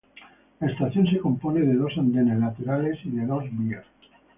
La estación, se compone de dos andenes laterales y de dos vías.